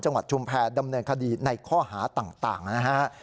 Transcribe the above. จังหวัดชุมแพร่ดำเนินคดีในข้อหาต่างนะฮะ